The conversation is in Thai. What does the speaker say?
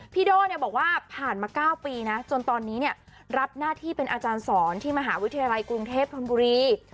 โด่บอกว่าผ่านมา๙ปีนะจนตอนนี้รับหน้าที่เป็นอาจารย์สอนที่มหาวิทยาลัยกรุงเทพธนบุรี